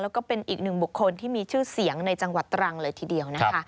แล้วก็เป็นอีกหนึ่งบุคคลที่มีชื่อเสียงในจังหวัดตรังเลยทีเดียวนะคะ